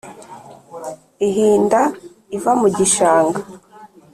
Ihinda iva mu gishanga,